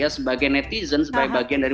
sebagai netizen sebagai bagian dari